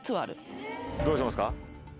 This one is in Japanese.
どうしますか？